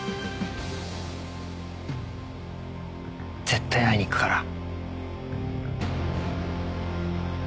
絶対会いに行くから。